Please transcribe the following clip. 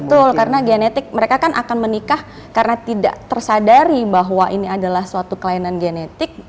betul karena genetik mereka kan akan menikah karena tidak tersadari bahwa ini adalah suatu kelainan genetik